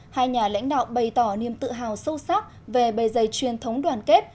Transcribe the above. hai nhà lãnh đạo bày tỏ niềm tự hào sâu sắc về bề dày truyền thống đoàn kết